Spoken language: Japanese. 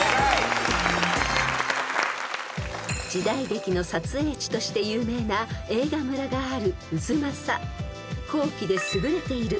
［時代劇の撮影地として有名な映画村がある］